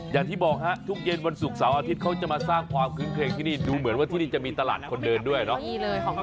อย่างที่บอกฮะทุกเย็นวันศุกร์เสาร์อาทิตย์เขาจะมาสร้างความคึ้งเครงที่นี่ดูเหมือนว่าที่นี่จะมีตลาดคนเดินด้วยเนาะ